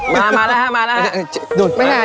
มาแล้ว